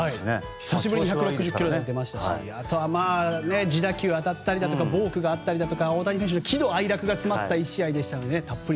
久しぶりに１６０キロ台が出ましたしあとは自打球が当たったりボークがあったり大谷選手の喜怒哀楽が詰まった１試合でしたね。